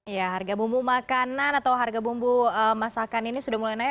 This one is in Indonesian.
ya harga bumbu makanan atau harga bumbu masakan ini sudah mulai naik